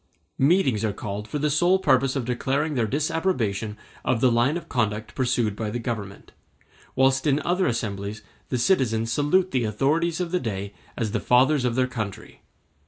Meetings are called for the sole purpose of declaring their disapprobation of the line of conduct pursued by the Government; whilst in other assemblies the citizens salute the authorities of the day as the fathers of their country.